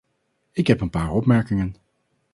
Ik heb een paar opmerkingen.